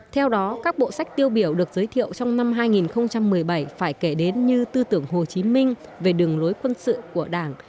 theo đó các bộ sách tiêu biểu được giới thiệu trong năm hai nghìn một mươi bảy phải kể đến như tư tưởng hồ chí minh về đường lối quân sự của đảng